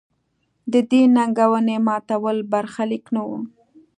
د دې ننګونې ماتول برخلیک نه و.